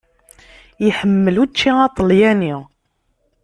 Iḥemmel učči aṭelyani.